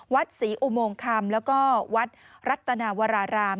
วัดศรีอุโมงคำแล้วก็วัดรัตนาวราราม